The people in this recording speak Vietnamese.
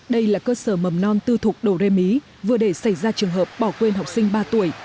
đây là cơ sở mầm non tư thuộc đồ rê mí vừa để xảy ra trường hợp bỏ quên học sinh ba tuổi